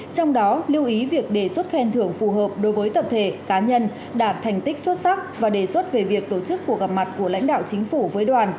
trong đó lưu ý việc đề xuất khen thưởng phù hợp đối với tập thể cá nhân đạt thành tích xuất sắc và đề xuất về việc tổ chức cuộc gặp mặt của lãnh đạo chính phủ với đoàn